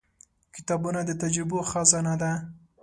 • کتابونه د تجربو خزانه ده.